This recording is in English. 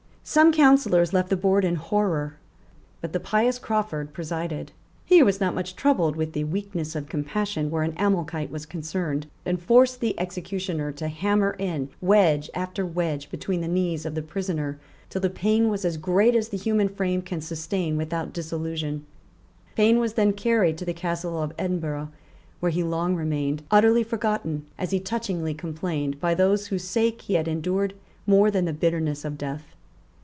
Some councillors left the board in horror. But the pious Crawford presided. He was not much troubled with the weakness of compassion where an Amalekite was concerned, and forced the executioner to hammer in wedge after wedge between the knees of the prisoner till the pain was as great as the human frame can sustain without dissolution. Payne was then carried to the Castle of Edinburgh, where he long remained, utterly forgotten, as he touchingly complained, by those for whose sake he had endured more than the bitterness of death.